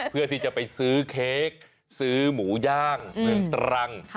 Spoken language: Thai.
เพื่อที่จะไปซื้อเค้กซื้อหมูย่างเมืองตรัง